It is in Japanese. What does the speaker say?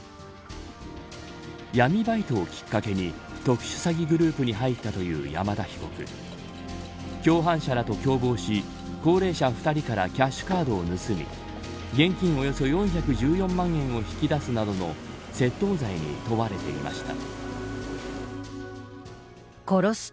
闇バイトをきっかけに特殊詐欺グループに入ったという山田被告共犯者らと共謀し高齢者２人からキャッシュカードを盗み現金およそ４１４万を引き出すなどの窃盗罪に問われていました。